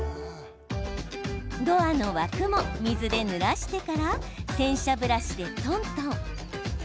ドアの枠も水でぬらしてから洗車ブラシで、とんとん。